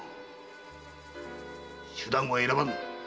手段は選ばぬ。